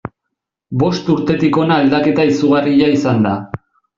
Bost urtetik hona aldaketa izugarria izan da.